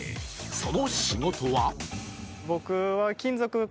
その仕事は？